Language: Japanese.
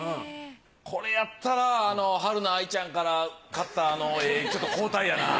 これやったらはるな愛ちゃんから買ったあの絵ちょっと交代やな。